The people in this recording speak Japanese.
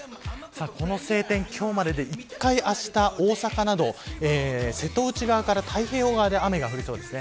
この晴天、今日までで一回、あした大阪など瀬戸内側から太平洋側で雨が降りそうです。